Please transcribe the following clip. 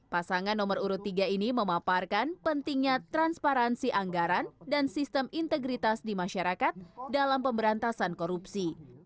pasangan nomor urut tiga ini memaparkan pentingnya transparansi anggaran dan sistem integritas di masyarakat dalam pemberantasan korupsi